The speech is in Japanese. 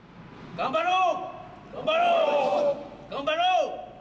頑張ろう。